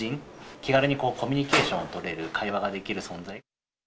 気軽にコミュニケーションを取れる、会話ができる存在。